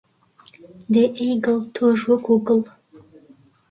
دەی ئەی گڵ، تۆش وەکو گڵ